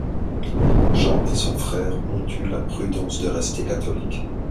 Jean et son frère, ont eu la prudence de rester catholiques.